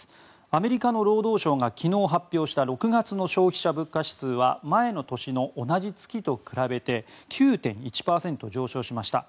アメリカの労働省が昨日発表した６月の消費者物価指数は前の年の同じ月と比べて９．１％上昇しました。